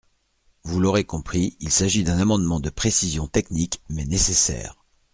Vous l’aurez compris : il s’agit d’un amendement de précision technique, mais nécessaire.